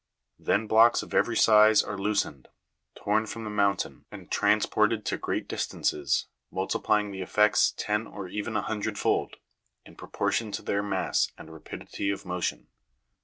Then blocks of every size are loosened, torn from the mountain and transported to great distances, multiplying the effects ten or even a hundred fold, in proportion to their mass and rapidity of motion.